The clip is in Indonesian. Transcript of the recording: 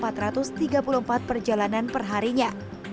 dan juga tiga puluh empat perjalanan perharinya